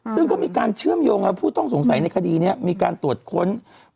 ซึ่งก็มีการเชื่อมโยงกับผู้ต้องสงสัยในคดีนี้มีการตรวจค้น